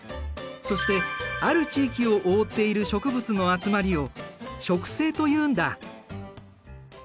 そしてある地域を覆っている植物の集まりを「植生」というんだ。